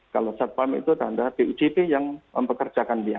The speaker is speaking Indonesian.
kalau satpam itu tanda pujp yang mempekerjakan dia